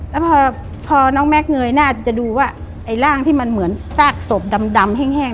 แล้วพอน้องแม็กซเงยหน้าจะดูว่าไอ้ร่างที่มันเหมือนซากศพดำแห้ง